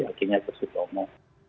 akhirnya ke komo